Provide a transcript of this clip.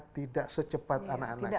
tidak secepat anak anak